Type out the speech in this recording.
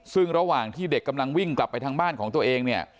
ซึ่งระหว่างที่เด็กกำลังวิ่งกลับไปทางบ้านของตัวเองเนี่ย